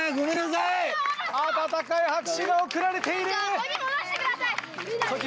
温かい拍手が送られている。